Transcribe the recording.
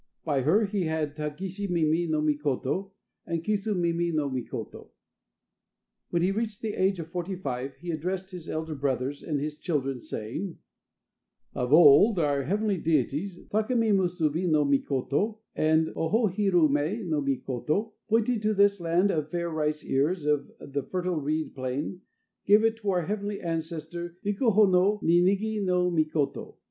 By her he had Tagishi mimi no Mikoto and Kisu mimi no Mikoto. When he reached the age of forty five, he addressed his elder brothers and his children, saying: "Of old, our heavenly deities Taka mi Musubi no Mikoto, and Oho hiru me no Mikoto, pointing to this land of fair rice ears of the fertile reed plain, gave it to our heavenly ancestor, Hiko ho no Ninigi no Mikoto.